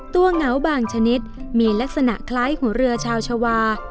เหงาบางชนิดมีลักษณะคล้ายหัวเรือชาวชาวา